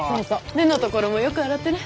根のところもよく洗ってね。